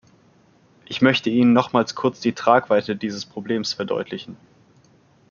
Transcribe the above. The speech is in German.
Ich möchte Ihnen nochmals kurz die Tragweite dieses Problems verdeutlichen.